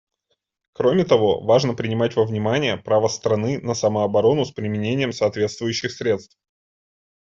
Кроме того, важно принимать во внимание право страны на самооборону с применением соответствующих средств.